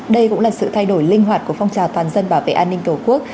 đây cũng là sự thay đổi linh hoạt của phong trào toàn dân bảo vệ an ninh tổ quốc